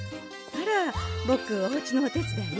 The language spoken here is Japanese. あらぼくおうちのお手伝い？